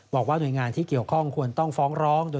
บอกว่าหน่วยงานที่เกี่ยวข้องควรต้องฟ้องร้อง